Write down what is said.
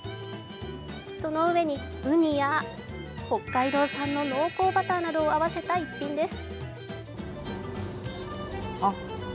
その上にうにや北海道産の濃厚バターなどを合わせた逸品です。